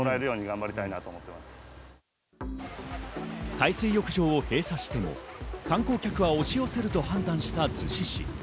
海水浴場を閉鎖しても観光客は押し寄せると判断した逗子市。